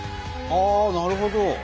ああなるほど！